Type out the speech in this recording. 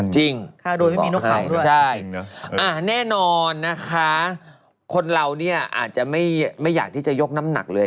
จริงบอกให้ใช่อ่ะแน่นอนนะคะคุณเราเนี่ยอาจจะไม่อยากที่จะยกน้ำหนักเลย